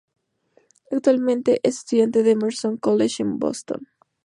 Actualmente es estudiante del Emerson College en Boston.